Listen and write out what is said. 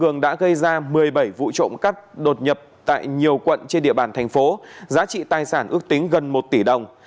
nga một mươi bảy vụ trộm cắp đột nhập tại nhiều quận trên địa bàn thành phố giá trị tài sản ước tính gần một tỷ đồng